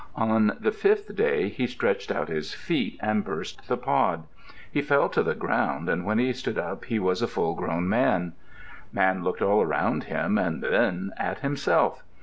On the fifth day he stretched out his feet and burst the pod. He fell to the ground and when he stood up he was a full grown man. Man looked all around him and then at himself.